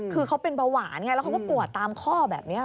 คือเขาเป็นเบาหวานไงแล้วเขาก็ปวดตามข้อแบบนี้